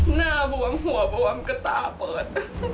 หน้าบวมหัวบวมก็ตาเปิด